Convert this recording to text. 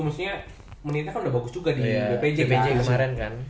maksudnya menitnya kan udah bagus juga di bpj pj kemarin kan